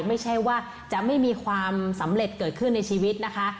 ไม่ใช่ว่าจะไม่มีความสำเร็จเกิดขึ้นในชีวิตนะคะ